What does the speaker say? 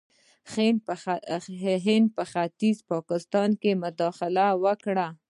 هند په ختیځ پاکستان کې مداخله وکړه.